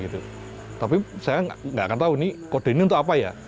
tapi saya nggak akan tahu ini kode ini untuk apa ya